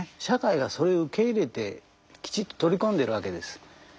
社会がそれを受け入れてきちっと取り込んでるわけです。